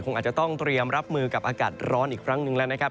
อาจจะต้องเตรียมรับมือกับอากาศร้อนอีกครั้งหนึ่งแล้วนะครับ